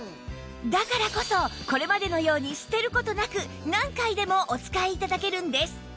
だからこそこれまでのように捨てる事なく何回でもお使い頂けるんです